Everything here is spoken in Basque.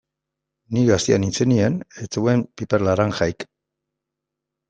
Ni gaztea nintzenean ez zegoen piper laranjarik.